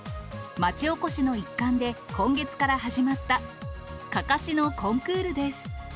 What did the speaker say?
町おこしの一環で、今月から始まったかかしのコンクールです。